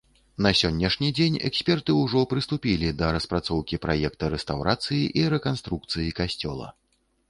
На сённяшні дзень эксперты ўжо прыступілі да распрацоўкі праекта рэстаўрацыі і рэканструкцыі касцёла.